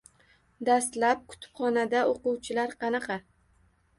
Dastlab kutubxonada o‘quvchilar qanaqa?